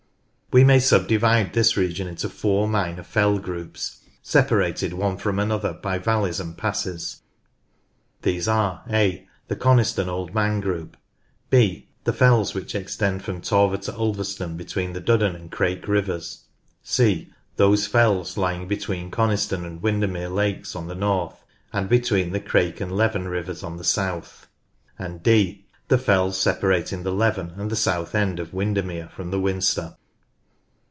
We may subdivide this region into four minor fell groups separated one from another by valleys and passes. These are {a) the Coniston Old Man group ;(/>) the fells which extend from Torver to Ulverston between the Duddon and Crake rivers ; (c) those fells lying between Coniston and Windermere lakes on the north and between the Crake and Leven rivers on the south ; and (d) the fells separating the Leven and the south end of Winder mere from the Winster.